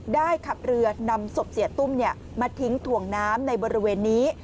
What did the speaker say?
ขับเรือนำศพเสียตุ้มมาทิ้งถ่วงน้ำในบริเวณนี้